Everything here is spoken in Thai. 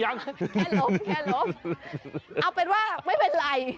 เอาเป็นว่าไม่เป็นไร